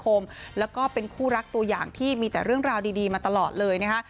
แล้วก็เป็นคู่รักตัวอย่างที่มีแต่เรื่องราวดีมาตลอดเลยนะคะ